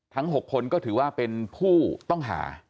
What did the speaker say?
๖คนก็ถือว่าเป็นผู้ต้องหา